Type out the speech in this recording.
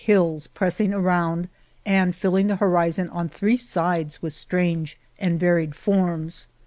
200 The Morena hills pressing around and filling the horizon on three sides with strange and varied forms.